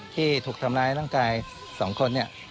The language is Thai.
ที่ถูกทำร้ายร่างกายสองคน